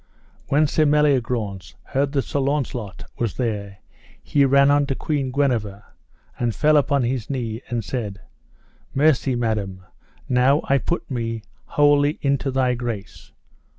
When Sir Meliagrance heard that Sir Launcelot was there he ran unto Queen Guenever, and fell upon his knee, and said: Mercy, madam, now I put me wholly into your grace.